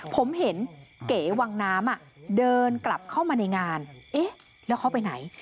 ผมเห็นเก๋วังน้ำเดินกลับเข้ามาในงานเอ๊ะแล้วเขาไปไหน